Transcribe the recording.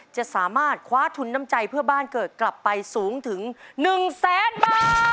จะสามารถคว้าทุนน้ำใจเพื่อบ้านเกิดกลับไปสูงถึง๑แสนบาท